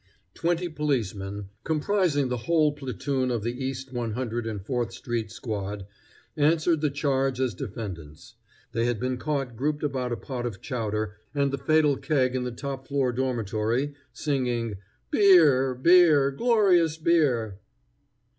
Twenty policemen, comprising the whole off platoon of the East One Hundred and Fourth street squad, answered the charge as defendants. They had been caught grouped about a pot of chowder and the fatal keg in the top floor dormitory, singing, "Beer, beer, glorious beer!"